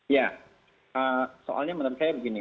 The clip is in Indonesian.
ya soalnya menurut saya begini